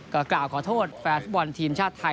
ก็กล่าวขอโทษแฟนฟุตบอลทีมชาติไทย